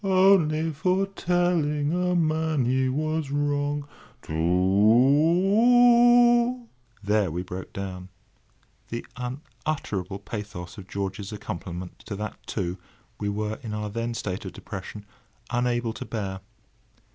Only for telling a man he was wrong, Two—" There we broke down. The unutterable pathos of George's accompaniment to that "two" we were, in our then state of depression, unable to bear.